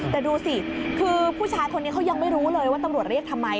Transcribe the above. แต่ดูสิคือผู้ชายคนนี้เขายังไม่รู้เลยว่าตำรวจเรียกทำไม